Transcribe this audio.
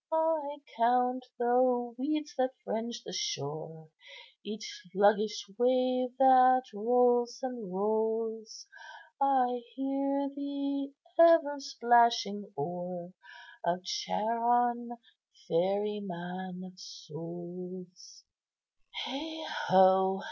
"I count the weeds that fringe the shore, Each sluggish wave that rolls and rolls; I hear the ever splashing oar Of Charon, ferryman of souls. "Heigho!"